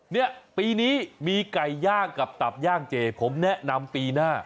เนี่ยปีนี้มีไก่ย่างกับตับย่างเจผมแนะนำปีหน้า